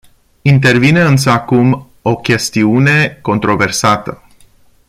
Intervine însă acum o chestiune controversată.